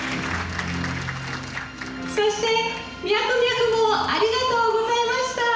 そして、ミャクミャクもありがとうございました。